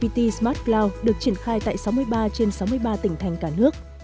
hiện vnpt smart cloud được triển khai tại sáu mươi ba trên sáu mươi ba tỉnh thành cả nước